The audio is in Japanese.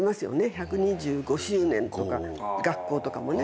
１２５周年とか学校とかもね。